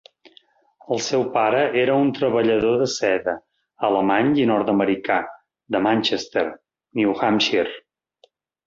El seu pare era un treballador de seda alemany i nord-americà de Manchester, New Hampshire.